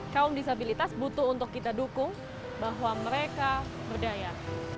kaum disabilitas butuh untuk kita dukung bahwa mereka berdaya